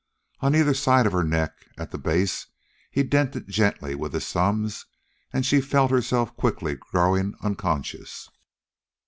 On either side of her neck, at the base, he dented gently with his thumbs, and she felt herself quickly growing unconscious.